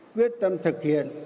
quyết tâm thực hiện